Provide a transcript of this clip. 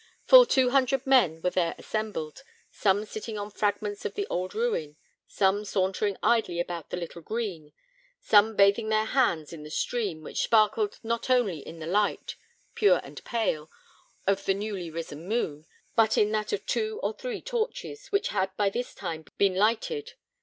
Full two hundred men were there assembled; some sitting on fragments of the old ruin, some sauntering idly about the little green, some bathing their hands in the stream, which sparkled not only in the light, pure and pale, of the newly risen moon, but in that of two or three torches, which had by this time been lighted.